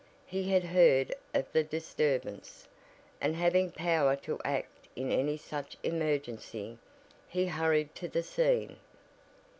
He had heard of the disturbance, and having power to act in any such emergency, he hurried to the scene.